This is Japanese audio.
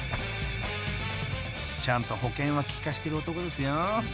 ［ちゃんと保険は利かせてる男ですよ］